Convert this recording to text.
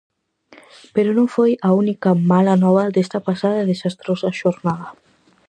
Pero non foi a única mala nova desta pasada e desastrosa xornada.